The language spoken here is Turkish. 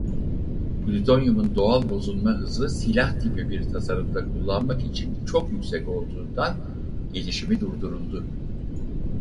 Plütonyumun doğal bozunma hızı silah tipi bir tasarımda kullanmak için çok yüksek olduğundan gelişimi durduruldu.